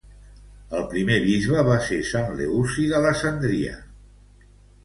El primer bisbe va ser sant Leuci d'Alessandria.